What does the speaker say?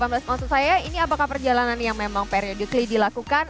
dua ribu delapan belas maksud saya ini apakah perjalanan yang memang periodikly dilakukan